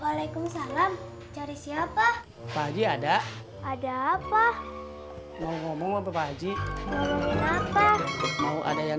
waalaikum salam cari siapa pagi ada ada apa mau ngomong bapak haji ngomongin apa mau ada yang